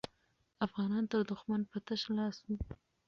افغانان تر دښمن په تش لاس وو.